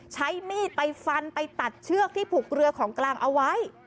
ใช้มีดไปฟันไปตัดเชือกที่ผูกเรือของกลางเอาไว้